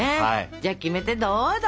じゃあキメテどうぞ！